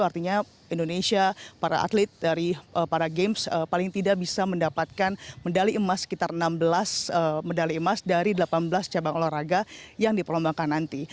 artinya indonesia para atlet dari para games paling tidak bisa mendapatkan medali emas sekitar enam belas medali emas dari delapan belas cabang olahraga yang diperlombangkan nanti